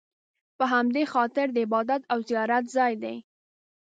په همدې خاطر د عبادت او زیارت ځای دی.